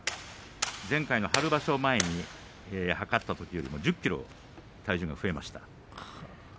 前回の春場所前に測ったときよりも１０ｋｇ体重が増えました。